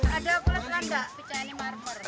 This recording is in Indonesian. ada plus kan tak pecahan marmer